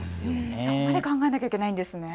そこまで考えなきゃいけないんですね。